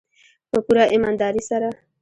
په پوره ایمانداري سره.